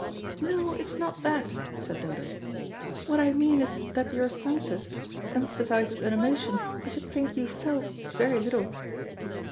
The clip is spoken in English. "No, it's not that," said Dodo. "What I mean is that your Sanctus emphasises an emotion I should think you felt very little."